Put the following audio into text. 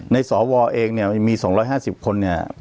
ในสวเองเนี่ยมี๒๕๐คนเนี่ย